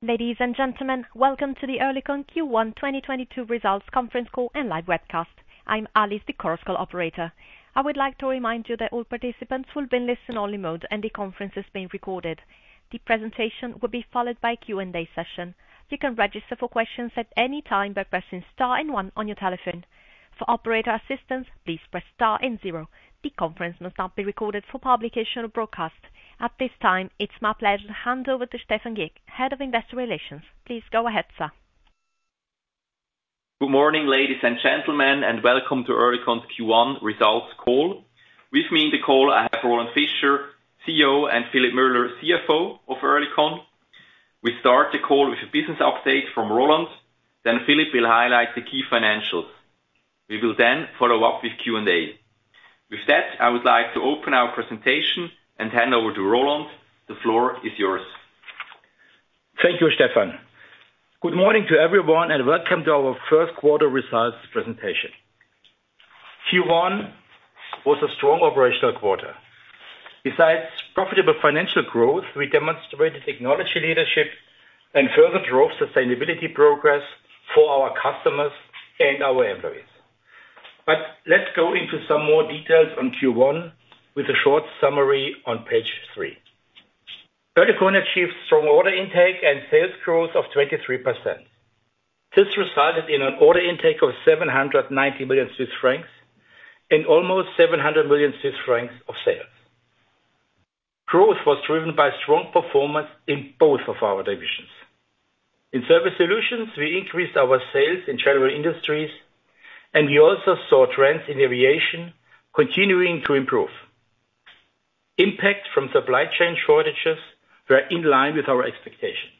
Ladies and gentlemen, welcome to the OC Oerlikon Q1 2022 Results Conference Call and live webcast. I'm Alice, the conference call operator. I would like to remind you that all participants will be in listen-only mode, and the conference is being recorded. The presentation will be followed by a Q&A session. You can register for questions at any time by pressing star and one on your telephone. For operator assistance, please press star and zero. The conference must not be recorded for publication or broadcast. At this time, it's my pleasure to hand over to Stephan Gick, Head of Investor Relations. Please go ahead, sir. Good morning, ladies and gentlemen, and welcome to OC Oerlikon's Q1 results call. With me on the call, I have Roland Fischer, CEO, and Philipp Müller, CFO of OC Oerlikon. We start the call with a business update from Roland, then Philipp will highlight the key financials. We will then follow up with Q&A. With that, I would like to open our presentation and hand over to Roland. The floor is yours. Thank you, Stephan. Good morning to everyone, and welcome to our first quarter results presentation. Q1 was a strong operational quarter. Besides profitable financial growth, we demonstrated technology leadership and further drove sustainability progress for our customers and our employees. Let's go into some more details on Q1 with a short summary on page three. OC Oerlikon achieved strong order intake and sales growth of 23%. This resulted in an order intake of 790 million Swiss francs and almost 700 million Swiss francs of sales. Growth was driven by strong performance in both of our divisions. In Surface Solutions, we increased our sales in general industries, and we also saw trends in aviation continuing to improve. Impact from supply chain shortages were in line with our expectation.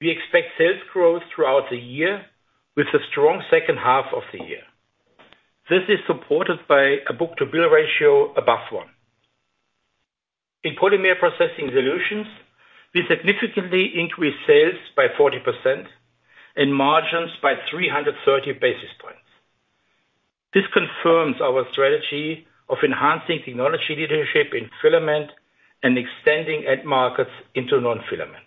We expect sales growth throughout the year with a strong second half of the year. This is supported by a book-to-bill ratio above one. In Polymer Processing Solutions, we significantly increased sales by 40% and margins by 330 basis points. This confirms our strategy of enhancing technology leadership in filament and extending end markets into non-filament.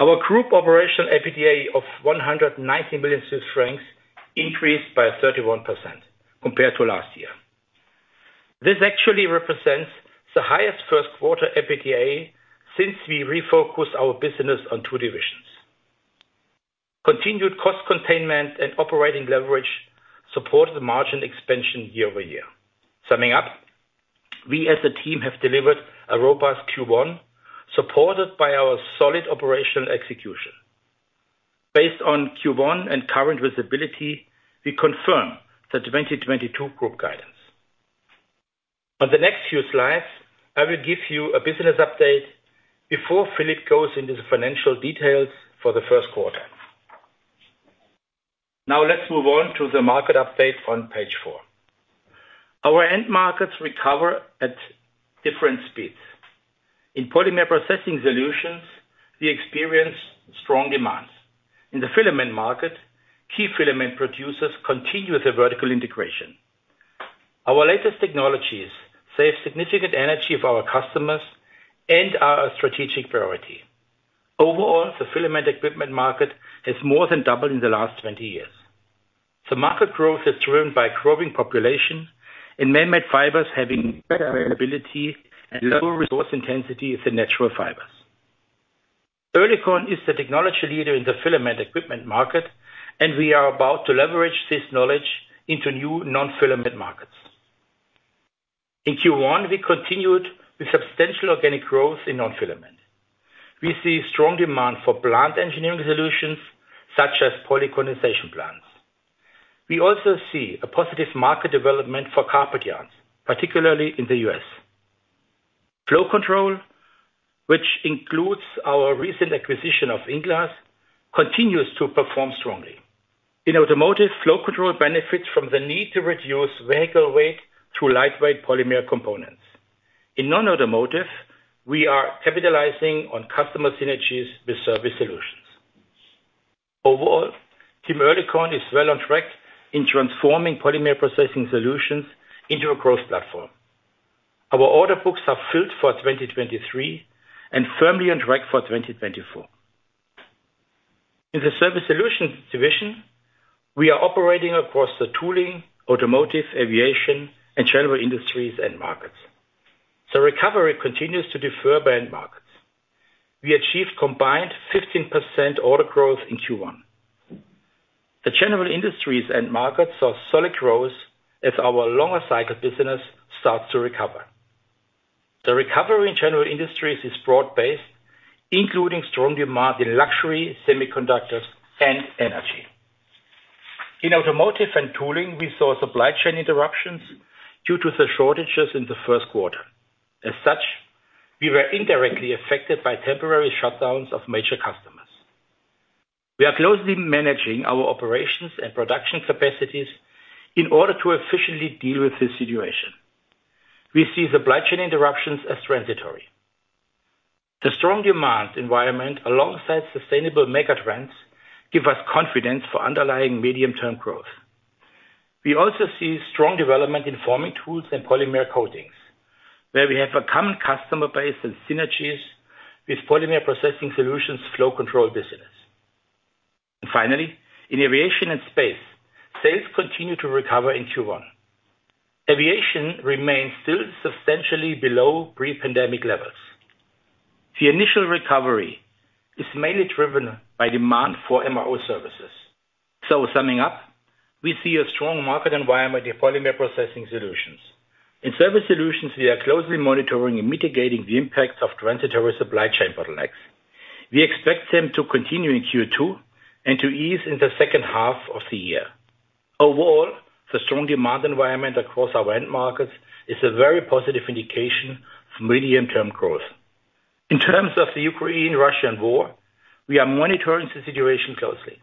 Our group operational EBITDA of 190 million Swiss francs increased by 31% compared to last year. This actually represents the highest first quarter EBITDA since we refocused our business on two divisions. Continued cost containment and operating leverage supported the margin expansion year-over-year. Summing up, we as a team have delivered a robust Q1, supported by our solid operational execution. Based on Q1 and current visibility, we confirm the 2022 group guidance. On the next few slides, I will give you a business update before Philipp goes into the financial details for the first quarter. Now let's move on to the market update on page four. Our end markets recover at different speeds. In Polymer Processing Solutions, we experience strong demands. In the filament market, key filament producers continue with the vertical integration. Our latest technologies save significant energy of our customers and are a strategic priority. Overall, the filament equipment market has more than doubled in the last 20 years. The market growth is driven by growing population and manmade fibers having better availability and lower resource intensity than natural fibers. OC Oerlikon is the technology leader in the filament equipment market, and we are about to leverage this knowledge into new non-filament markets. In Q1, we continued with substantial organic growth in non-filament. We see strong demand for plant engineering solutions, such as polycondensation plants. We also see a positive market development for carpet yarns, particularly in the U.S. Flow control, which includes our recent acquisition of INglass, continues to perform strongly. In automotive, flow control benefits from the need to reduce vehicle weight to lightweight polymer components. In non-automotive, we are capitalizing on customer synergies with Surface Solutions. Overall, Team Oerlikon is well on track in transforming Polymer Processing Solutions into a growth platform. Our order books are filled for 2023 and firmly on track for 2024. In the Surface Solutions division, we are operating across the tooling, automotive, aviation, and General Industries end markets. The recovery continues to differ by end markets. We achieved combined 15% order growth in Q1. The General Industries end markets saw solid growth as our longer cycle business starts to recover. The recovery in General Industries is broad-based, including strong demand in luxury, semiconductors, and energy. In automotive and tooling, we saw supply chain interruptions due to the shortages in the first quarter. As such, we were indirectly affected by temporary shutdowns of major customers. We are closely managing our operations and production capacities in order to efficiently deal with the situation. We see supply chain interruptions as transitory. The strong demand environment, alongside sustainable megatrends, give us confidence for underlying medium-term growth. We also see strong development in forming tools and polymer coatings, where we have a common customer base and synergies with Polymer Processing Solutions flow control business. Finally, in aviation and space, sales continue to recover in Q1. Aviation remains still substantially below pre-pandemic levels. The initial recovery is mainly driven by demand for MRO services. Summing up, we see a strong market environment in Polymer Processing Solutions. In service solutions, we are closely monitoring and mitigating the impacts of transitory supply chain bottlenecks. We expect them to continue in Q2 and to ease in the second half of the year. Overall, the strong demand environment across our end markets is a very positive indication for medium-term growth. In terms of the Ukraine-Russian war, we are monitoring the situation closely.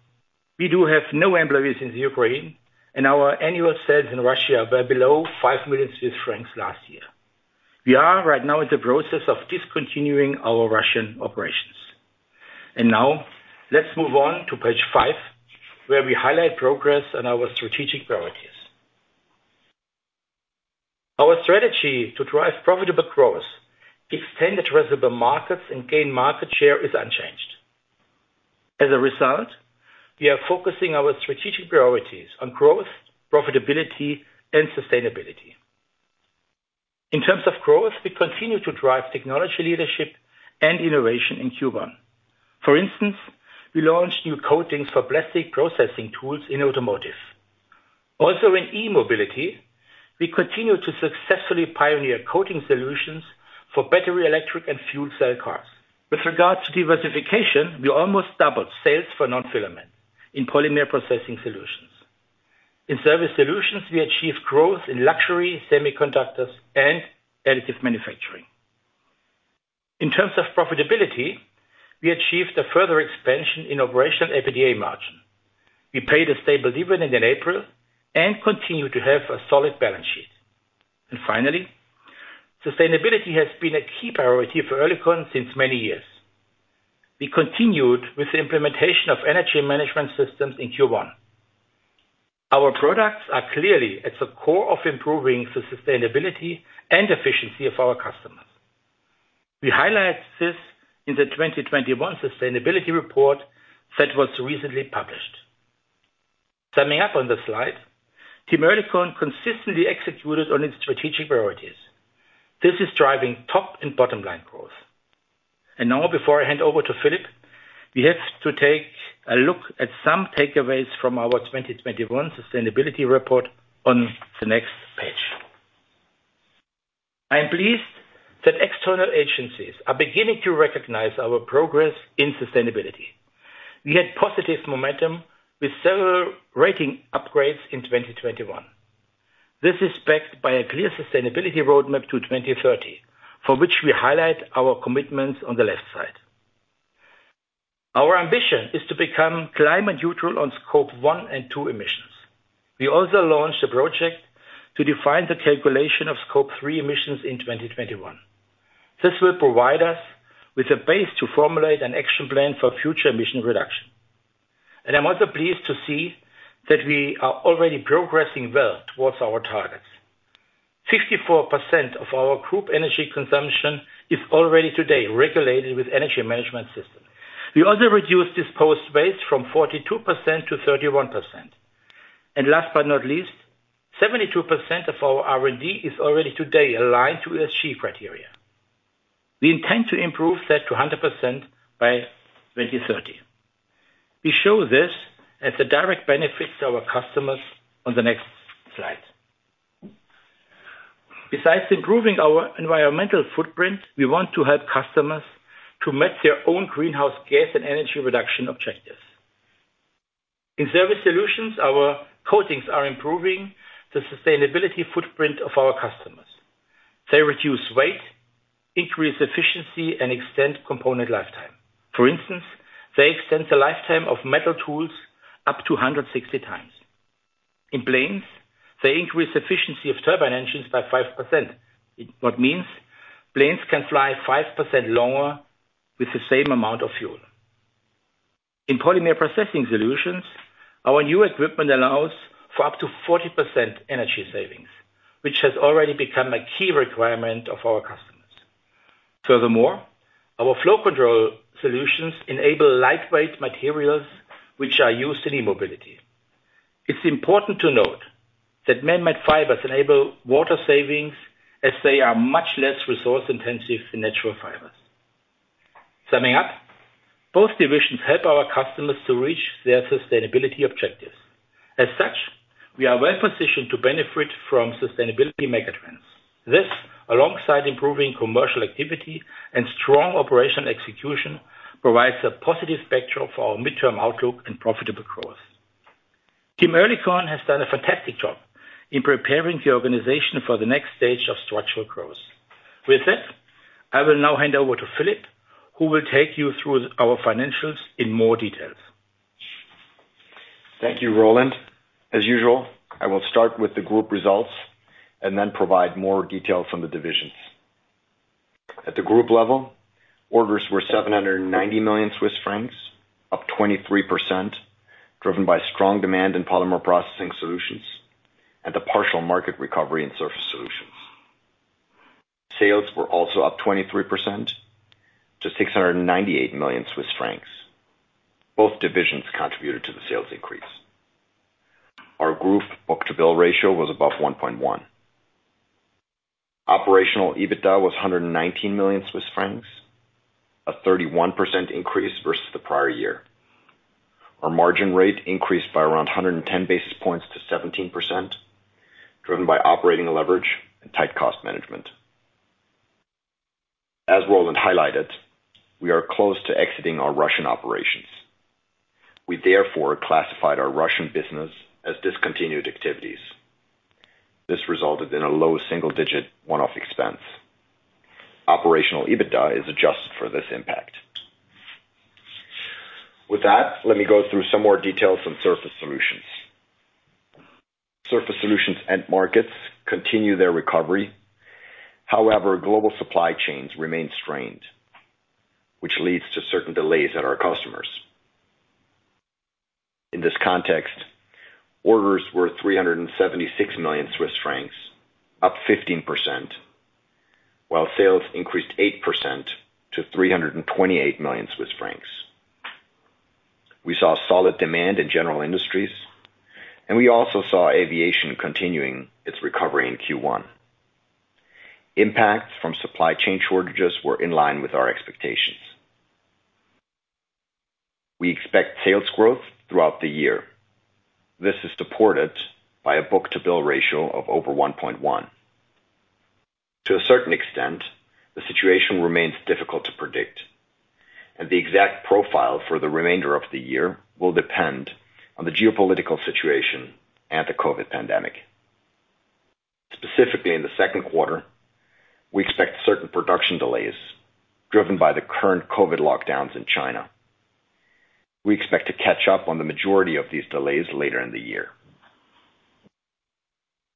We do have no employees in the Ukraine and our annual sales in Russia were below five million Swiss francs last year. We are right now in the process of discontinuing our Russian operations. Now let's move on to page 5, where we highlight progress on our strategic priorities. Our strategy to drive profitable growth, extend addressable markets, and gain market share is unchanged. As a result, we are focusing our strategic priorities on growth, profitability, and sustainability. In terms of growth, we continue to drive technology leadership and innovation in Q1. For instance, we launched new coatings for plastic processing tools in automotive. Also in e-mobility, we continue to successfully pioneer coating solutions for battery, electric, and fuel cell cars. With regard to diversification, we almost doubled sales for non-filament in Polymer Processing Solutions. In Surface Solutions, we achieved growth in luxury, semiconductors, and additive manufacturing. In terms of profitability, we achieved a further expansion in operational EBITDA margin. We paid a stable dividend in April and continue to have a solid balance sheet. Finally, sustainability has been a key priority for Oerlikon since many years. We continued with the implementation of energy management systems in Q1. Our products are clearly at the core of improving the sustainability and efficiency of our customers. We highlight this in the 2021 sustainability report that was recently published. Summing up on the slide, Team Oerlikon consistently executed on its strategic priorities. This is driving top and bottom line growth. Now before I hand over to Philipp, we have to take a look at some takeaways from our 2021 sustainability report on the next page. I am pleased that external agencies are beginning to recognize our progress in sustainability. We had positive momentum with several rating upgrades in 2021. This is backed by a clear sustainability roadmap to 2030, for which we highlight our commitments on the left side. Our ambition is to become climate neutral on Scope one and two emissions. We also launched a project to define the calculation of Scope three emissions in 2021. This will provide us with a base to formulate an action plan for future emission reduction. I'm also pleased to see that we are already progressing well towards our targets. 54% of our group energy consumption is already today regulated with energy management system. We also reduced disposed waste from 42%-31%. Last but not least, 72% of our R&D is already today aligned to ESG criteria. We intend to improve that to 100% by 2030. We show this as a direct benefit to our customers on the next slide. Besides improving our environmental footprint, we want to help customers to meet their own greenhouse gas and energy reduction objectives. In Surface Solutions, our coatings are improving the sustainability footprint of our customers. They reduce weight, increase efficiency, and extend component lifetime. For instance, they extend the lifetime of metal tools up to 160 times. In planes, they increase efficiency of turbine engines by 5%. This means planes can fly 5% longer with the same amount of fuel. In Polymer Processing Solutions, our new equipment allows for up to 40% energy savings, which has already become a key requirement of our customers. Furthermore, our flow control solutions enable lightweight materials, which are used in e-mobility. It's important to note that manmade fibers enable water savings as they are much less resource intensive than natural fibers. Summing up, both divisions help our customers to reach their sustainability objectives. As such, we are well positioned to benefit from sustainability megatrends. This, alongside improving commercial activity and strong operational execution, provides a positive spectrum for our midterm outlook and profitable growth. Team Oerlikon has done a fantastic job in preparing the organization for the next stage of structural growth. With that, I will now hand over to Philipp, who will take you through our financials in more details. Thank you, Roland. As usual, I will start with the group results and then provide more details on the divisions. At the group level, orders were 790 million Swiss francs, up 23%, driven by strong demand in Polymer Processing Solutions and the partial market recovery in Surface Solutions. Sales were also up 23% to 698 million Swiss francs. Both divisions contributed to the sales increase. Our group book-to-bill ratio was above 1.1. Operational EBITDA was 119 million Swiss francs, a 31% increase versus the prior year. Our margin rate increased by around 110 basis points to 17%, driven by operating leverage and tight cost management. As Roland highlighted, we are close to exiting our Russian operations. We therefore classified our Russian business as discontinued activities. This resulted in a low single-digit one-off expense. Operational EBITDA is adjusted for this impact. With that, let me go through some more details on Surface Solutions. Surface Solutions end markets continue their recovery. However, global supply chains remain strained, which leads to certain delays at our customers. In this context, orders were 376 million Swiss francs, up 15%, while sales increased 8% to 328 million Swiss francs. We saw solid demand in general industries, and we also saw aviation continuing its recovery in Q1. Impacts from supply chain shortages were in line with our expectations. We expect sales growth throughout the year. This is supported by a book-to-bill ratio of over 1.1. To a certain extent, the situation remains difficult to predict, and the exact profile for the remainder of the year will depend on the geopolitical situation and the COVID pandemic. Specifically, in the second quarter, we expect certain production delays driven by the current COVID lockdowns in China. We expect to catch up on the majority of these delays later in the year.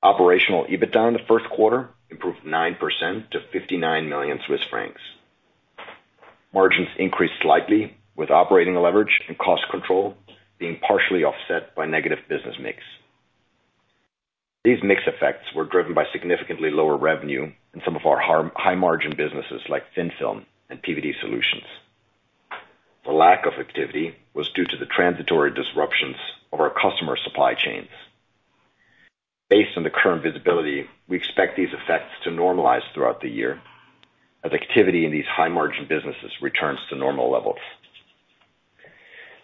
Operational EBITDA in the first quarter improved 9%-CHF 59 million. Margins increased slightly, with operating leverage and cost control being partially offset by negative business mix. These mix effects were driven by significantly lower revenue in some of our high-margin businesses like thin film and PVD solutions. The lack of activity was due to the transitory disruptions of our customer supply chains. Based on the current visibility, we expect these effects to normalize throughout the year as activity in these high-margin businesses returns to normal levels.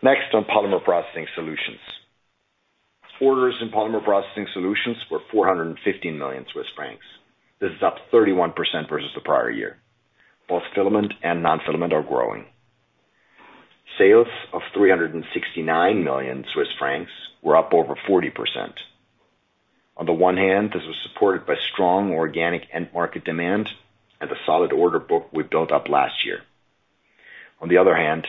Next on Polymer Processing Solutions. Orders in Polymer Processing Solutions were 415 million Swiss francs. This is up 31% versus the prior year. Both filament and non-filament are growing. Sales of 369 million Swiss francs were up over 40%. On the one hand, this was supported by strong organic end market demand and the solid order book we built up last year. On the other hand,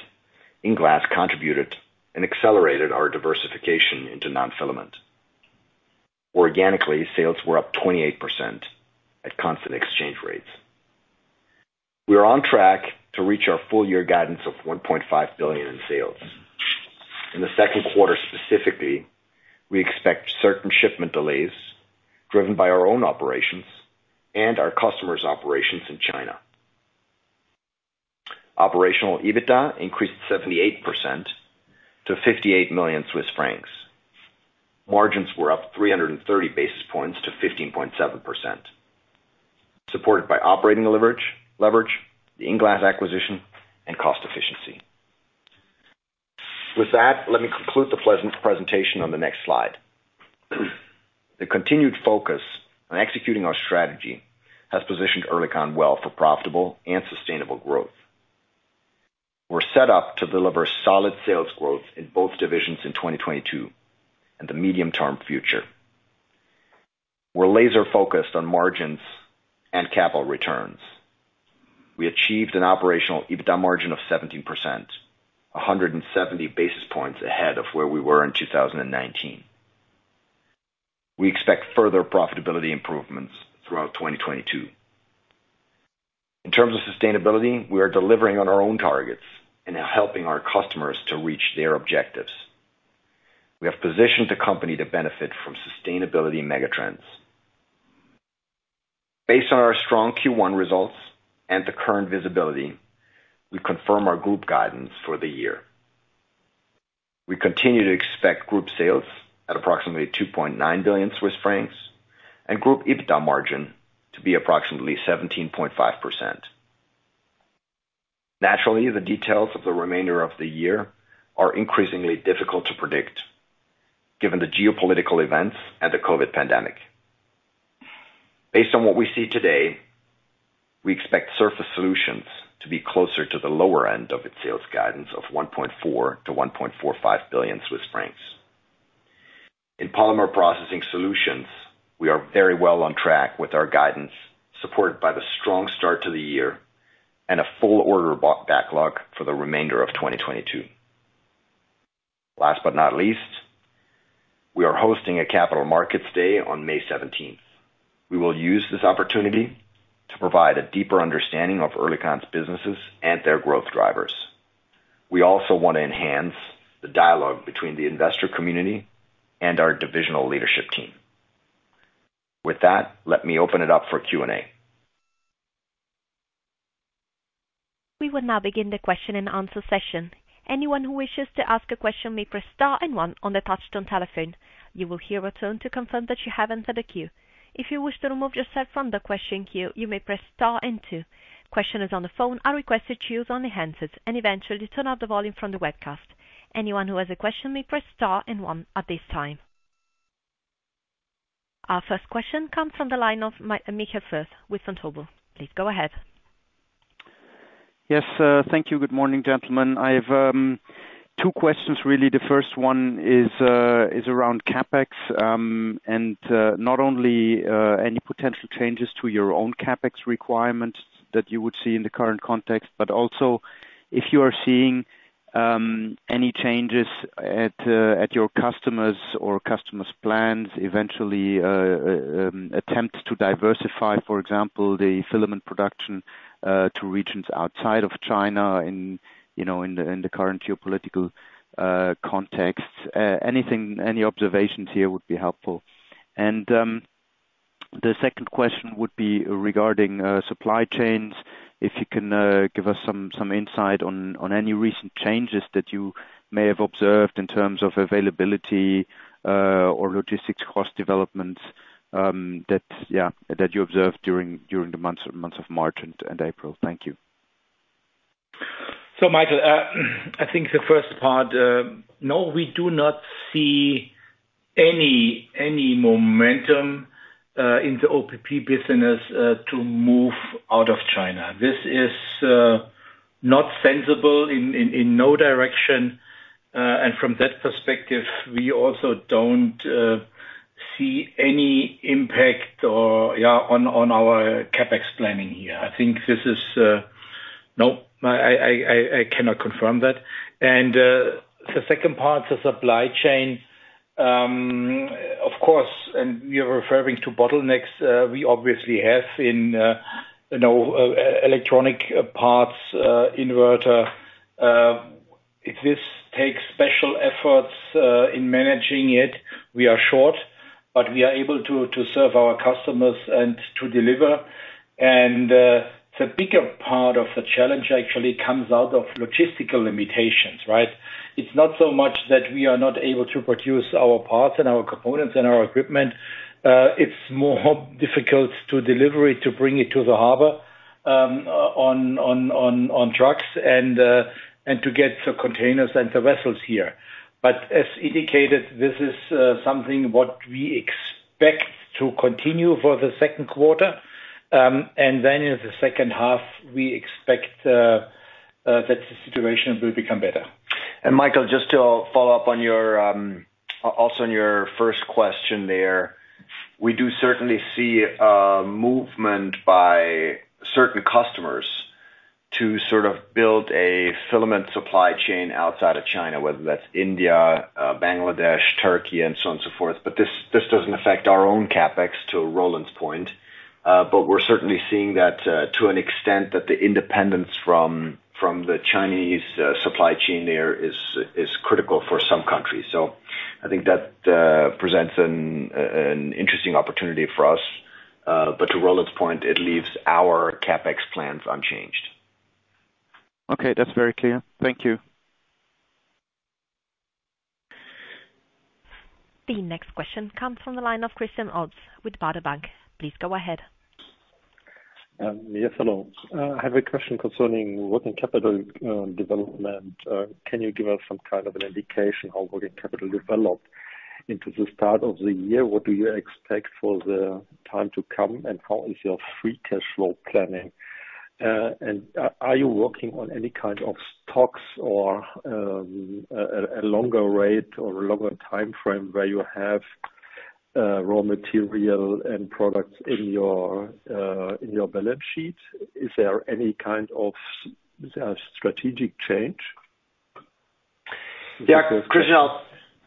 INglass contributed and accelerated our diversification into non-filament. Organically, sales were up 28% at constant exchange rates. We are on track to reach our full year guidance of 1.5 billion in sales. In the second quarter specifically, we expect certain shipment delays driven by our own operations and our customers' operations in China. Operational EBITDA increased 78% to 58 million Swiss francs. Margins were up 330 basis points to 15.7%, supported by operating leverage, the INglass acquisition, and cost efficiency. With that, let me conclude the pleasant presentation on the next slide. The continued focus on executing our strategy has positioned OC Oerlikon well for profitable and sustainable growth. We're set up to deliver solid sales growth in both divisions in 2022 and the medium-term future. We're laser-focused on margins and capital returns. We achieved an operational EBITDA margin of 17%, 170 basis points ahead of where we were in 2019. We expect further profitability improvements throughout 2022. In terms of sustainability, we are delivering on our own targets and are helping our customers to reach their objectives. We have positioned the company to benefit from sustainability mega trends. Based on our strong Q1 results and the current visibility, we confirm our group guidance for the year. We continue to expect group sales at approximately 2.9 billion and group EBITDA margin to be approximately 17.5%. Naturally, the details of the remainder of the year are increasingly difficult to predict given the geopolitical events and the COVID pandemic. Based on what we see today, we expect Surface Solutions to be closer to the lower end of its sales guidance of 1.4 billion-1.45 billion Swiss francs. In Polymer Processing Solutions, we are very well on track with our guidance, supported by the strong start to the year and a full order backlog for the remainder of 2022. Last but not least, we are hosting a capital markets day on May seventeenth. We will use this opportunity to provide a deeper understanding of Oerlikon's businesses and their growth drivers. We also want to enhance the dialogue between the investor community and our divisional leadership team. With that, let me open it up for Q&A. We will now begin the question-and-answer session. Anyone who wishes to ask a question may press star and one on the touchtone telephone. You will hear a tone to confirm that you have entered the queue. If you wish to remove yourself from the question queue, you may press star and two. Questioners on the phone are requested to use only handsets and eventually turn off the volume from the webcast. Anyone who has a question may press star and one at this time. Our first question comes from the line of Michael Foeth with Vontobel. Please go ahead. Yes, thank you. Good morning, gentlemen. I have two questions really. The first one is around CapEx and not only any potential changes to your own CapEx requirements that you would see in the current context, but also if you are seeing any changes at your customers or customers' plans eventually attempt to diversify, for example, the filament production to regions outside of China and, you know, in the current geopolitical context. Any observations here would be helpful. The second question would be regarding supply chains. If you can give us some insight on any recent changes that you may have observed in terms of availability or logistics cost developments, yeah, that you observed during the months of March and April. Thank you. Michael, I think the first part, no, we do not see any momentum in the OPP business to move out of China. This is not sensible in no direction. From that perspective, we also don't see any impact or yeah on our CapEx planning here. I think this is. Nope, I cannot confirm that. The second part, the supply chain, of course, and you're referring to bottlenecks, we obviously have in you know electronic parts, inverter. This takes special efforts in managing it. We are short, but we are able to serve our customers and to deliver. The bigger part of the challenge actually comes out of logistical limitations, right? It's not so much that we are not able to produce our parts and our components and our equipment. It's more difficult to deliver it, to bring it to the harbor, on trucks and to get the containers and the vessels here. As indicated, this is something what we expect to continue for the second quarter. In the second half, we expect that the situation will become better. Michael, just to follow up on your, also on your first question there. We do certainly see a movement by certain customers to sort of build a filament supply chain outside of China, whether that's India, Bangladesh, Turkey and so on and so forth. This doesn't affect our own CapEx, to Roland's point. We're certainly seeing that, to an extent that the independence from the Chinese supply chain there is critical for some countries. I think that presents an interesting opportunity for us. To Roland's point, it leaves our CapEx plans unchanged. Okay. That's very clear. Thank you. The next question comes from the line of Christian Obst with Baader Bank. Please go ahead. Yes, hello. I have a question concerning working capital development. Can you give us some kind of an indication how working capital developed into the start of the year? What do you expect for the time to come, and how is your free cash flow planning? Are you working on any kind of stocks or a longer rate or a longer timeframe where you have raw material and products in your balance sheet? Is there any kind of strategic change? Yeah. Christian,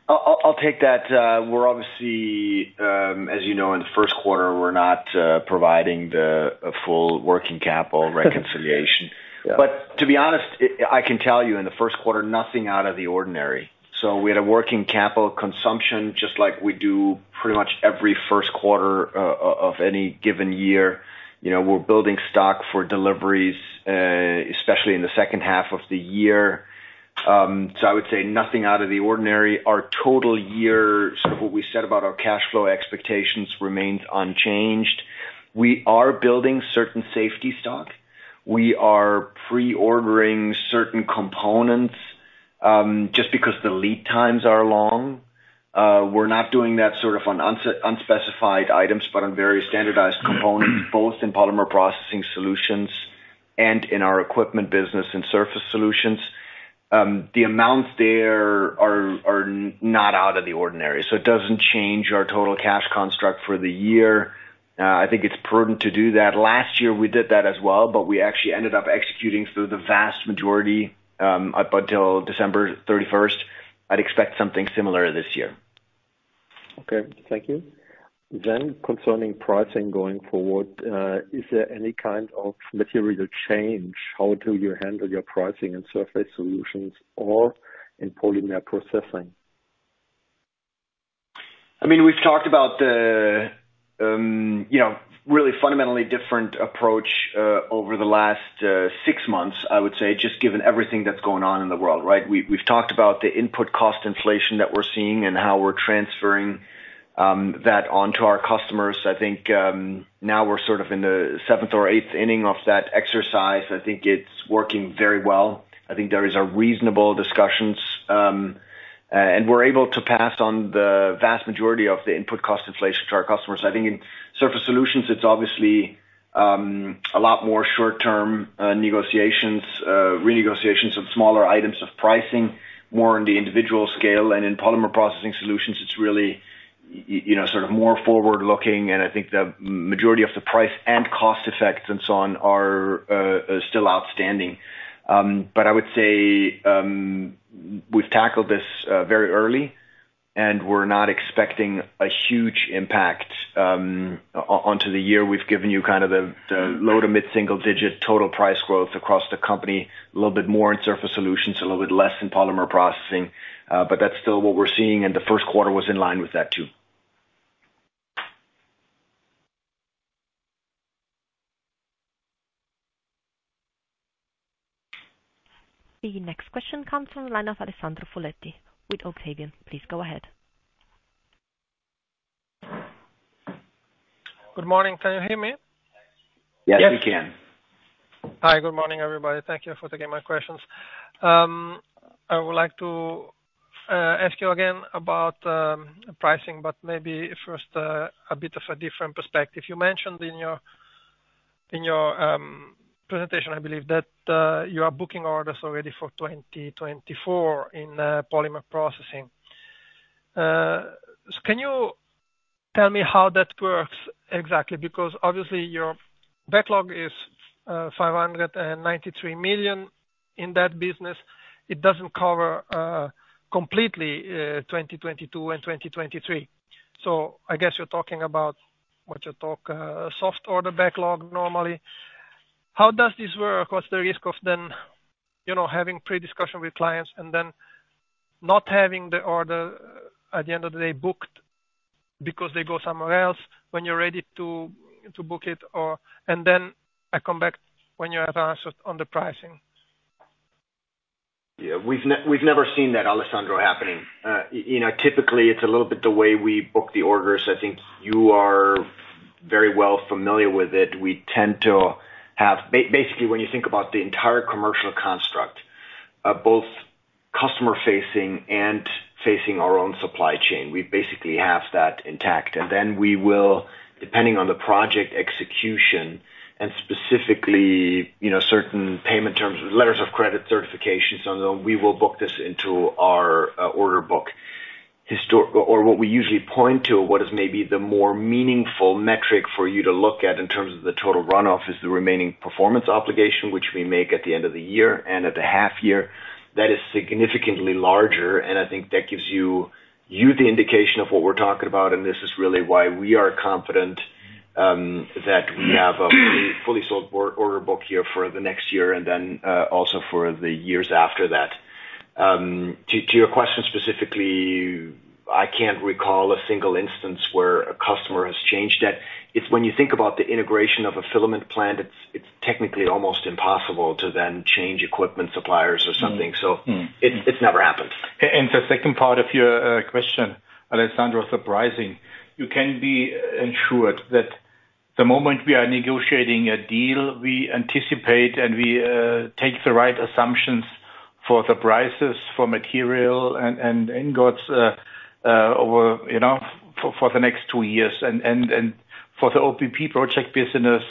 I'll take that. We're obviously, as you know, in the first quarter, we're not providing the full working capital reconciliation. Yeah. To be honest, I can tell you in the first quarter, nothing out of the ordinary. We had a working capital consumption just like we do pretty much every first quarter of any given year. You know, we're building stock for deliveries, especially in the second half of the year. I would say nothing out of the ordinary. Our total year, sort of what we said about our cash flow expectations remains unchanged. We are building certain safety stock. We are pre-ordering certain components, just because the lead times are long. We're not doing that sort of on unspecified items, but on very standardized components, both in Polymer Processing Solutions and in our equipment business and Surface Solutions. The amounts there are not out of the ordinary, so it doesn't change our total cash construct for the year. I think it's prudent to do that. Last year, we did that as well, but we actually ended up executing through the vast majority up until December thirty-first. I'd expect something similar this year. Okay, thank you. Concerning pricing going forward, is there any kind of material change in how you handle your pricing in Surface Solutions or in Polymer Processing Solutions? I mean, we've talked about the, you know, really fundamentally different approach over the last six months, I would say, just given everything that's going on in the world, right? We've talked about the input cost inflation that we're seeing and how we're transferring that onto our customers. I think now we're sort of in the seventh or eighth inning of that exercise. I think it's working very well. I think there is a reasonable discussions and we're able to pass on the vast majority of the input cost inflation to our customers. I think in Surface Solutions, it's obviously a lot more short-term negotiations, renegotiations of smaller items of pricing, more on the individual scale. In Polymer Processing Solutions, it's really you know, sort of more forward-looking, and I think the majority of the price and cost effects and so on are still outstanding. But I would say, we've tackled this very early, and we're not expecting a huge impact onto the year. We've given you kind of the low- to mid-single-digit total price growth across the company, a little bit more in Surface Solutions, a little bit less in Polymer Processing. But that's still what we're seeing, and the first quarter was in line with that too. The next question comes from the line of Alessandro Foletti with Octavian. Please go ahead. Good morning. Can you hear me? Yes, we can. Yes. Hi, good morning, everybody. Thank you for taking my questions. I would like to ask you again about pricing, but maybe first a bit of a different perspective. You mentioned in your presentation, I believe, that you are booking orders already for 2024 in polymer processing. Can you tell me how that works exactly? Because obviously your backlog is 593 million in that business. It doesn't cover completely 2022 and 2023. I guess you're talking about soft order backlog normally. How does this work? What's the risk of then, you know, having pre-discussion with clients and then not having the order at the end of the day booked because they go somewhere else when you're ready to book it, or. I come back when you have answers on the pricing. Yeah. We've never seen that, Alessandro, happening. You know, typically, it's a little bit the way we book the orders. I think you are very well familiar with it. We tend to have basically, when you think about the entire commercial construct, both customer-facing and facing our own supply chain, we basically have that intact. We will, depending on the project execution and specifically, you know, certain payment terms, letters of credit certifications, and we will book this into our order book. What we usually point to, what is maybe the more meaningful metric for you to look at in terms of the total runoff is the remaining performance obligation, which we make at the end of the year and at the half year. That is significantly larger, and I think that gives you the indication of what we're talking about, and this is really why we are confident that we have a fully sold order book here for the next year and then also for the years after that. To your question specifically, I can't recall a single instance where a customer has changed it. It's when you think about the integration of a filament plant, it's technically almost impossible to then change equipment suppliers or something. Mm-hmm. Mm-hmm. It never happens. The second part of your question, Alessandro, surprising. You can be assured that the moment we are negotiating a deal, we anticipate, and we take the right assumptions for the prices, for material, and ingots, over you know for the next two years. For the OPP project business,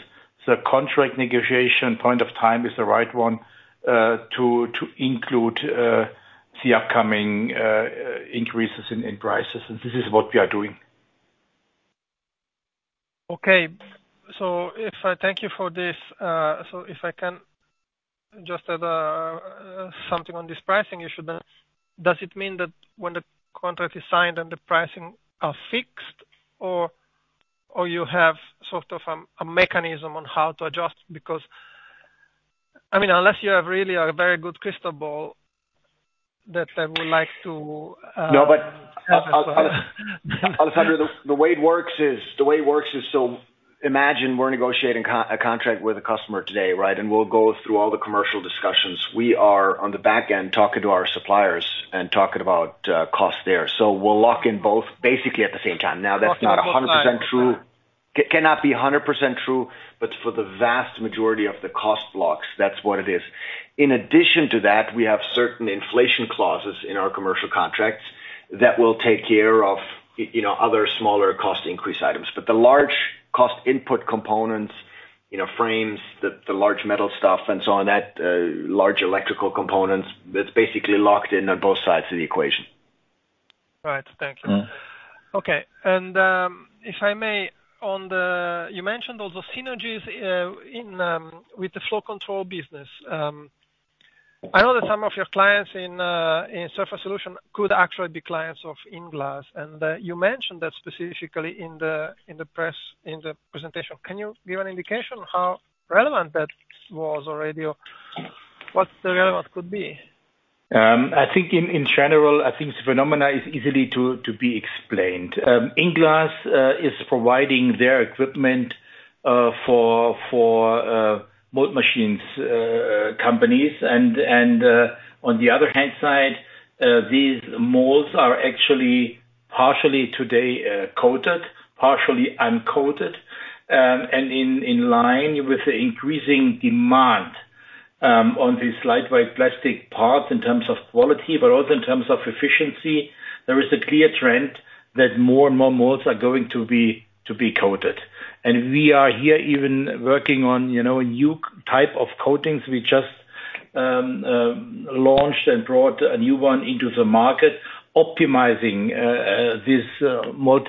the contract negotiation point in time is the right one to include the upcoming increases in prices. This is what we are doing. Okay. Thank you for this. If I can just add something on this pricing issue then. Does it mean that when the contract is signed and the pricing are fixed or you have sort of a mechanism on how to adjust? Because, I mean, unless you have really a very good crystal ball that I would like to. No, but Alessandro Foletti, the way it works is so imagine we're negotiating a contract with a customer today, right? We'll go through all the commercial discussions. We are on the back end talking to our suppliers and talking about cost there. We'll lock in both basically at the same time. Now, that's not 100% true. Locking both sides of that. It cannot be 100% true, but for the vast majority of the cost blocks, that's what it is. In addition to that, we have certain inflation clauses in our commercial contracts that will take care of, you know, other smaller cost increase items. The large cost input components, you know, frames, the large metal stuff and so on that, large electrical components, it's basically locked in on both sides of the equation. Right. Thank you. Mm-hmm. Okay. If I may, you mentioned also synergies in with the flow control business. I know that some of your clients in Surface Solutions could actually be clients of INglass. You mentioned that specifically in the press, in the presentation. Can you give an indication how relevant that was already or what the relevance could be? I think in general, I think this phenomenon is easily to be explained. INglass is providing their equipment for mold machines companies. On the other hand side, these molds are actually partially today coated, partially uncoated. In line with the increasing demand on these lightweight plastic parts in terms of quality, but also in terms of efficiency, there is a clear trend that more and more molds are going to be coated. We are here even working on, you know, a new type of coatings. We just launched and brought a new one into the market, optimizing this mold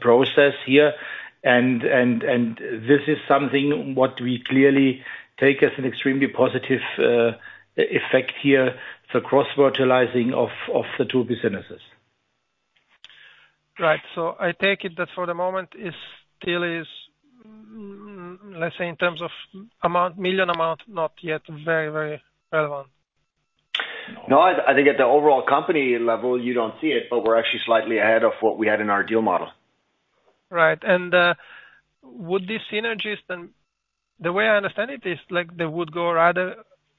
process here. This is something what we clearly take as an extremely positive effect here, the cross-fertilizing of the two businesses. Right. I take it that for the moment is still, let's say in terms of amount, million amount, not yet very, very relevant. No, I think at the overall company level, you don't see it, but we're actually slightly ahead of what we had in our deal model. Right. Would these synergies then? The way I understand it is like they would go rather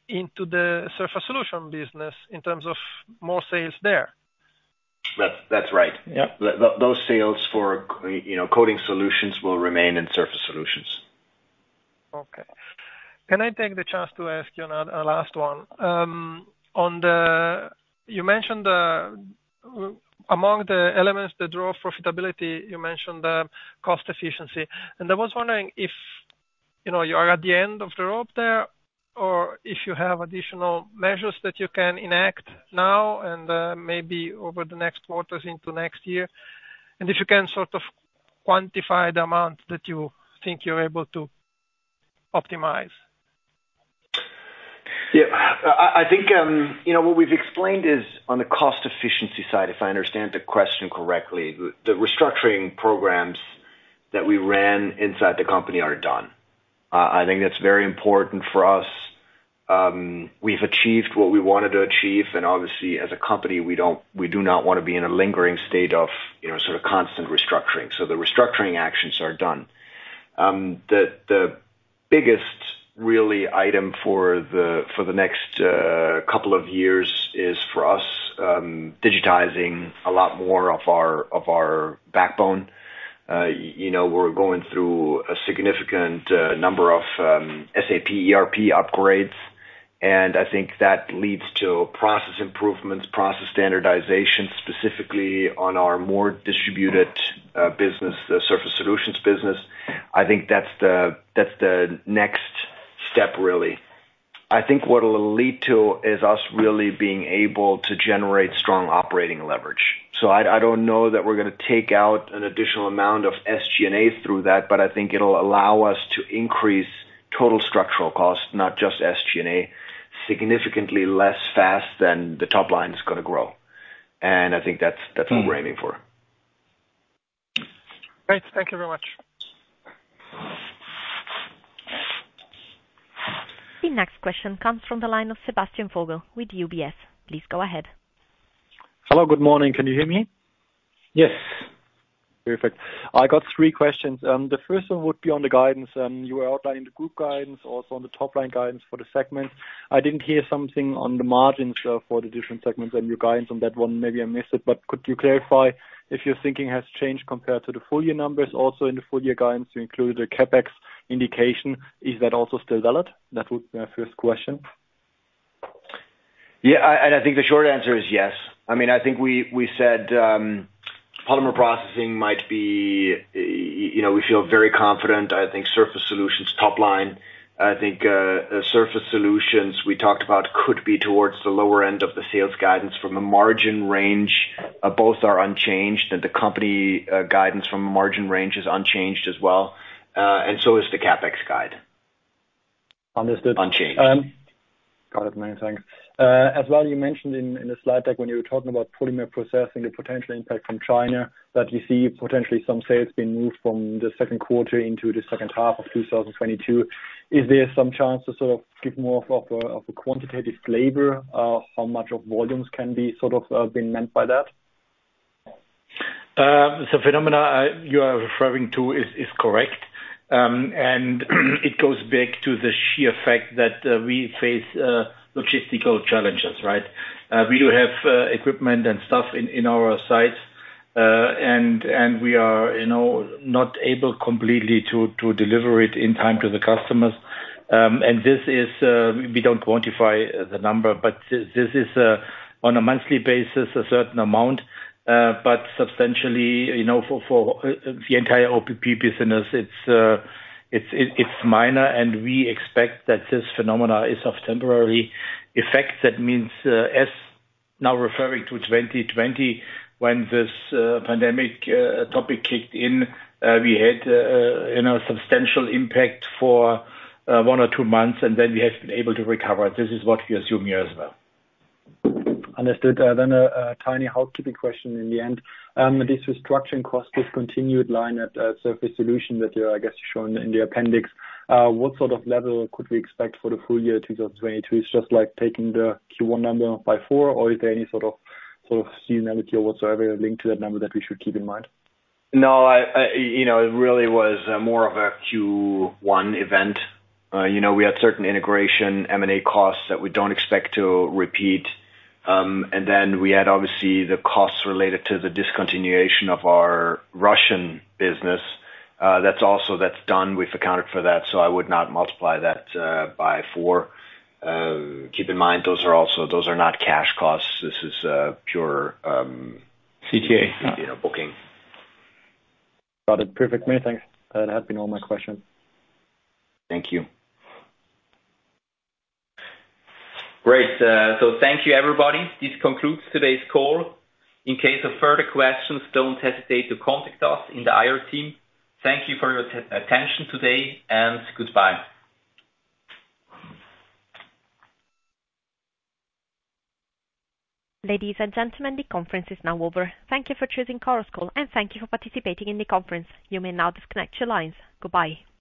into the Surface Solutions business in terms of more sales there. That's right. Yep. Those sales for, you know, coating solutions will remain in Surface Solutions. Okay. Can I take the chance to ask you on a last one? You mentioned among the elements that drove profitability, you mentioned cost efficiency. I was wondering if, you know, you are at the end of the road there, or if you have additional measures that you can enact now and maybe over the next quarters into next year. If you can sort of quantify the amount that you think you're able to optimize. Yeah. I think, you know, what we've explained is on the cost efficiency side, if I understand the question correctly, the restructuring programs that we ran inside the company are done. I think that's very important for us. We've achieved what we wanted to achieve, and obviously, as a company, we don't, we do not wanna be in a lingering state of, you know, sort of constant restructuring. The restructuring actions are done. The biggest really item for the next couple of years is for us, digitizing a lot more of our backbone. You know, we're going through a significant number of SAP ERP upgrades, and I think that leads to process improvements, process standardization, specifically on our more distributed business, the Surface Solutions business. I think that's the next step, really. I think what it'll lead to is us really being able to generate strong operating leverage. I don't know that we're gonna take out an additional amount of SG&A through that, but I think it'll allow us to increase total structural costs, not just SG&A, significantly less fast than the top line is gonna grow. I think that's what we're aiming for. Great. Thank you very much. The next question comes from the line of Sebastian Vogel with UBS. Please go ahead. Hello, good morning. Can you hear me? Yes. Perfect. I got three questions. The first one would be on the guidance. You were outlining the group guidance, also on the top line guidance for the segment. I didn't hear something on the margins for the different segments and your guidance on that one, maybe I missed it. Could you clarify if your thinking has changed compared to the full year numbers also in the full year guidance, you included a CapEx indication. Is that also still valid? That would be my first question. Yeah. I think the short answer is yes. I mean, I think we said polymer processing might be, you know, we feel very confident. I think Surface Solutions top line. I think Surface Solutions we talked about could be towards the lower end of the sales guidance from a margin range. Both are unchanged, and the company guidance from a margin range is unchanged as well, and so is the CapEx guide. Understood. Unchanged. Got it. Many thanks. As well, you mentioned in the slide deck when you were talking about polymer processing, the potential impact from China, that you see potentially some sales being moved from the second quarter into the second half of 2022. Is there some chance to sort of give more of a quantitative flavor of how much of volumes can be sort of impacted by that? The phenomena you are referring to is correct. It goes back to the sheer fact that we face logistical challenges, right? We do have equipment and stuff in our sites, and we are, you know, not able completely to deliver it in time to the customers. This is we don't quantify the number, but this is on a monthly basis a certain amount, but substantially, you know, for the entire OPP business, it's minor, and we expect that this phenomena is of temporary effect. That means, as now referring to 2020, when this pandemic topic kicked in, we had, you know, substantial impact for one or two months, and then we have been able to recover. This is what we assume here as well. Understood. A tiny housekeeping question at the end. This restructuring cost discontinued line at Surface Solutions that you, I guess, shown in the appendix, what sort of level could we expect for the full year 2022? It's just like taking the Q1 number times four, or is there any sort of seasonality or whatsoever linked to that number that we should keep in mind? No, I, you know, it really was more of a Q1 event. You know, we had certain integration M&A costs that we don't expect to repeat. We had obviously the costs related to the discontinuation of our Russian business. That's also done. We've accounted for that, so I would not multiply that by four. Keep in mind, those are also not cash costs. This is pure. CTI. You know, booking. Got it. Perfect. Many thanks. That has been all my questions. Thank you. Great. So thank you, everybody. This concludes today's call. In case of further questions, don't hesitate to contact us in the IR team. Thank you for your attention today, and goodbye. Ladies and gentlemen, the conference is now over. Thank you for choosing Chorus Call, and thank you for participating in the conference. You may now disconnect your lines. Goodbye.